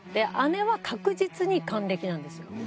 姉は確実に還暦なんですよ。